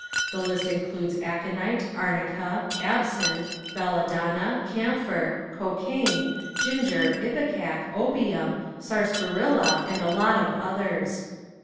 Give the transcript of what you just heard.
The list includes aconite, arnica, absinthe, belladonna, camphor, cocaine, ginger, ipecac, opium, sarsaparilla and a lot of others.